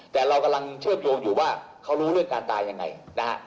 แต่เรากำลังเชื่อมโยงอยู่ว่าเขารู้เรื่องการตายยังไงนะฮะ